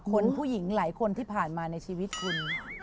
ผู้หญิงหลายคนที่ผ่านมาในชีวิตคุณ